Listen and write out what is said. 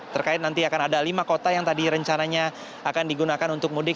terkait nanti akan ada lima kota yang tadi rencananya akan digunakan untuk mudik